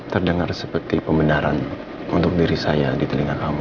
terdengar seperti pembenaran untuk diri saya di telinga kamu